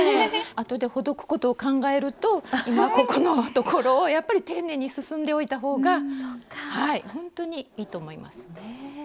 あとでほどくことを考えると今ここのところをやっぱり丁寧に進んでおいた方が本当にいいと思います。